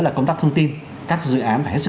là công tác thông tin các dự án phải hết sức